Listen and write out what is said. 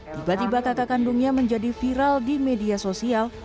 tiba tiba kakak kandungnya menjadi viral di media sosial